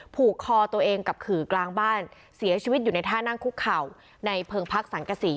ผูกคอตัวเองกับขื่อกลางบ้านเสียชีวิตอยู่ในท่านั่งคุกเข่าในเพิงพักสังกษี